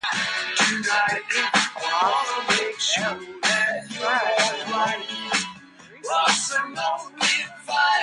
The different possible realities described by the wave function are equally true.